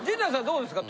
どうですか？